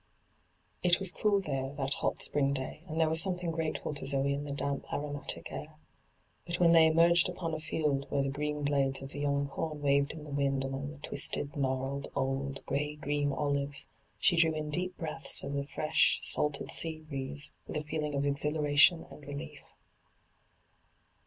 It was cool there, that hot spring day, and there was something grateful to Zoe in the damp, aromatic air. But when they emeif^ upon a field where the green blades of the young com waved in the wind among the twisted, gnarled, old, grey green olives, ^e drew in deep breaths of the fresh, salted sea breeze with a feeling of exhilaration and relief.